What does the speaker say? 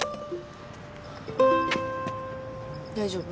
大丈夫？